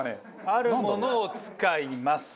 あるものを使います。